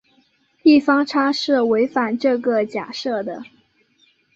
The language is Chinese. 异方差是违反这个假设的。